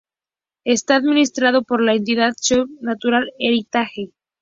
Está administrado por la entidad Scottish Natural Heritage.